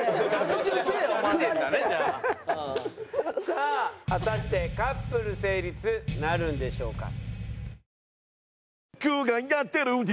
さあ果たしてカップル成立なるんでしょうか？